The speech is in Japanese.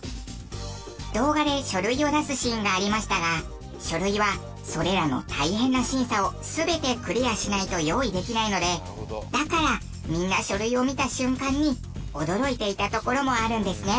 動画で書類を出すシーンがありましたが書類はそれらの大変な審査を全てクリアしないと用意できないのでだからみんな書類を見た瞬間に驚いていたところもあるんですね。